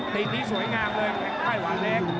ตีนี้สวยงามเลยครับไข้หวานแรก